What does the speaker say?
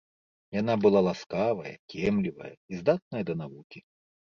Яна была ласкавая, кемлівая і здатная да навукі